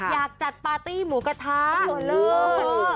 อยากจัดปาร์ตี้หมูกระทะหลวนเลย